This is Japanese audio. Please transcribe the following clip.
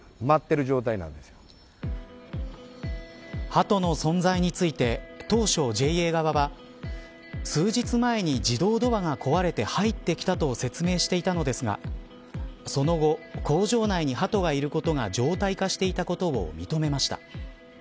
ハトの存在について当初、ＪＡ側は数日前に自動ドアが壊れて入ってきたと説明していたのですがその後、工場内にハトがいることが常態化していたことを認めました。